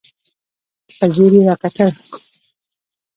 په ځير يې راکتل.